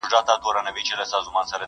غوجله لا هم خاموشه ولاړه ده.